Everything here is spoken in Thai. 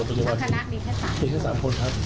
มันก็คือทางคณะมีแค่๓คนครับ